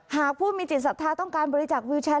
หากผู้มีจิตศรัทธาต้องการบริจาควิวแชร์